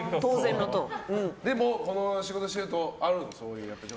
でもこの仕事してるとある、そういうの。